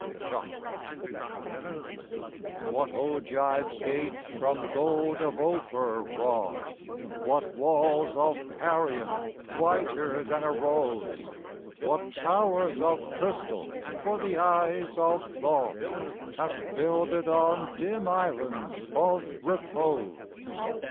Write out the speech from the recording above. REVERIE What ogive gates from gold of Ophir wrought, What walls of Parian, whiter than a rose, What towers of crystal, for the eyes of thought, Hast builded on dim Islands of Repose?